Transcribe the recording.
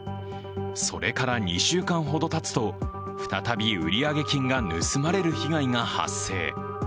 それから２週間ほどたつと、再び売上金が盗まれる被害が発生。